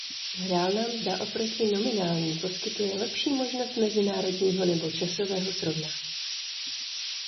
Reálná mzda oproti nominální poskytuje lepší možnost mezinárodního nebo časového srovnání.